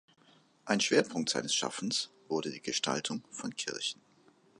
Ein Schwerpunkt seines Schaffens wurde die Gestaltung von Kirchen.